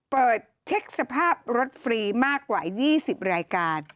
เปิดเช็คสภาพรถฟรีมากกว่า๒๐รายการ